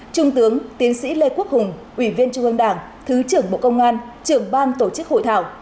trung tướng tiến sĩ lê quốc hùng ủy viên trung ương đảng thứ trưởng bộ công an trưởng ban tổ chức hội thảo